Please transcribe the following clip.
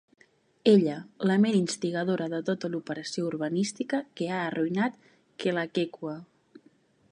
Ella, la ment instigadora de tota l'operació urbanística que ha arruïnat Kealakekua.